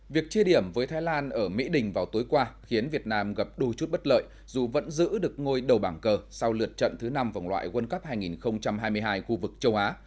việc chia điểm với thái lan ở mỹ đình vào tối qua khiến việt nam gặp đôi chút bất lợi dù vẫn giữ được ngôi đầu bảng cờ sau lượt trận thứ năm vòng loại world cup hai nghìn hai mươi hai khu vực châu á